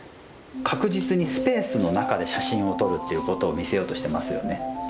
確実にスペースの中で写真を撮るということを見せようとしてますよね。